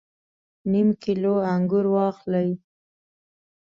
نیم کیلو انګور واخلئ